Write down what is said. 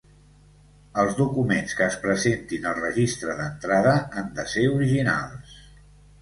Els documents que es presentin al Registre d'entrada han de ser originals.